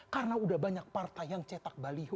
karena udah banyak partai yang cetak balihu